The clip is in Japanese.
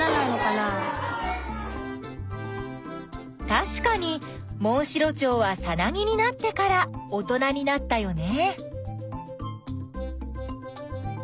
たしかにモンシロチョウはさなぎになってから大人になったよね。